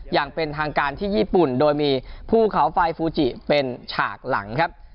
อย่างเป็นทางการที่ญี่ปุ่นโดยมีภูเขาไฟฟูจิเป็นฉากหลังครับ